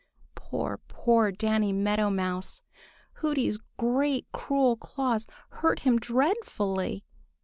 Poor, poor Danny Meadow Mouse! Hooty's great cruel claws hurt him dreadfully!